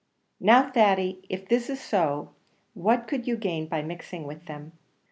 "Now, Thady, if this is so, what could you gain by mixing with them?